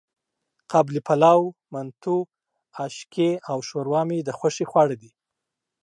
قابلي پلو، منتو، آشکې او ښوروا مې د خوښې خواړه دي.